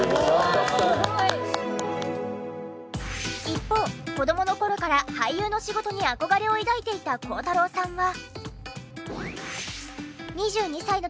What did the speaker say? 一方子どもの頃から俳優の仕事に憧れを抱いていた孝太郎さんは。